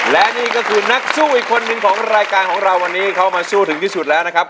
และนี่ก็คือนักสู้อีกคนนึงของรายการของเราวันนี้เข้ามาสู้ถึงที่สุดแล้วนะครับ